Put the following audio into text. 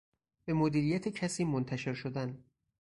به مدیریت کسی منتشر شدن